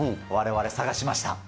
われわれ、探しました。